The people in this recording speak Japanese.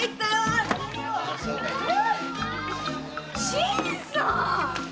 新さん！